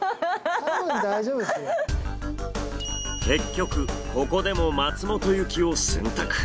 結局ここでも松本行きを選択。